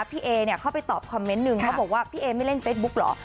พี่เอเนี่ยเข้าไปตอบคอมเมนต์หนึ่งเขาบอกว่าพี่เอไม่เล่นเฟซบุ๊คเหรอ